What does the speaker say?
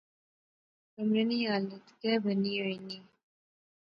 کمرے نی حالت کہہ بنی ہوئی نی